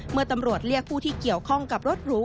เมื่อตำรวจเรียกผู้ที่เกี่ยวข้องกับรถหรู